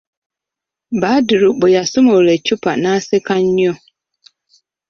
Badru bwe yasumulula eccupa n'asseka nnyo.